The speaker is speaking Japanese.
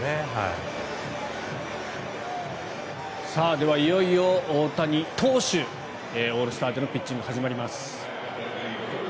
ではいよいよ大谷投手オールスターでのピッチングが始まります。